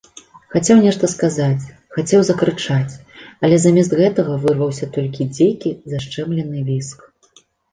Хацеў нешта сказаць, хацеў закрычаць, але замест гэтага вырваўся толькі дзікі зашчэмлены віск.